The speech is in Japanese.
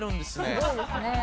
「すごいですね」